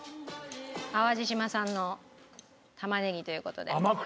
淡路島産の玉ねぎという事で。